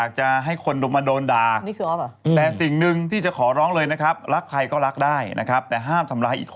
นานาแบบครีมจะเอายี่ห้ออะไร